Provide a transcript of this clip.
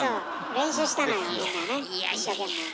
一生懸命。